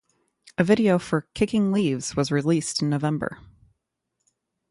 A video for "Kicking Leaves" was released in November.